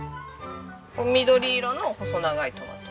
緑色の細長いトマト。